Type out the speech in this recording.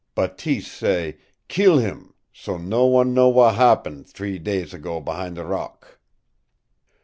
Bateese say, 'Keel him, so no wan know w'at happen t'ree day ago behin' ze rock.'